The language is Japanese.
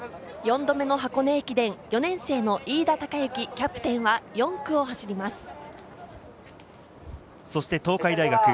４度目の箱根駅伝、４年生の飯田貴之キャプテンは４区を走ります。